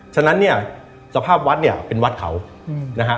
ฉะนั้นเนี่ยสภาพวัดเนี่ยเป็นวัดเขานะฮะ